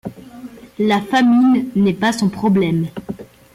La famine n'est pas son problème.